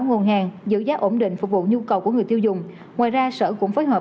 nguồn hàng giữ giá ổn định phục vụ nhu cầu của người tiêu dùng ngoài ra sở cũng phối hợp